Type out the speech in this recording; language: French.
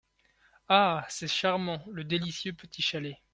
Ah ! c’est charmant ! le délicieux petit chalet !…